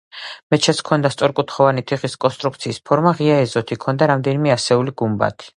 მეჩეთს ჰქონდა სწორკუთხოვანი თიხის კონსტრუქციის ფორმა ღია ეზოთი, ჰქონდა რამდენიმე ასეული გუმბათი.